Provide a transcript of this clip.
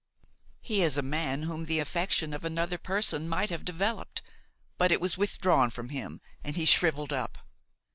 He is a man whom the affection of another person might have developed; but it was withdrawn from him and he shrivelled up.